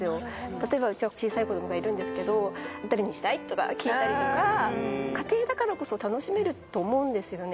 例えば、うちは小さい子どもがいるんですけど、どれにしたい？とか聞いたりとか、家庭だからこそ楽しめると思うんですよね。